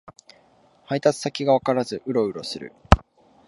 配達先がわからずウロウロする